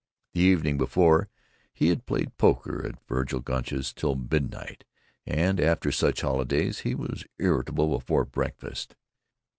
The evening before, he had played poker at Vergil Gunch's till midnight, and after such holidays he was irritable before breakfast.